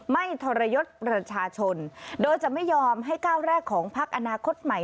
ทรยศประชาชนโดยจะไม่ยอมให้ก้าวแรกของพักอนาคตใหม่